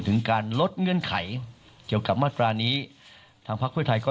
ถึงการลดเงื่อนไขเกี่ยวกับมาตรานี้ทางพักเพื่อไทยก็